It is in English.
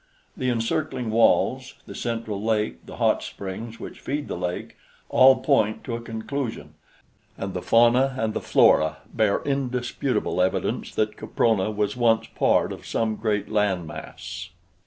The encircling walls, the central lake, the hot springs which feed the lake, all point to such a conclusion, and the fauna and the flora bear indisputable evidence that Caprona was once part of some great land mass.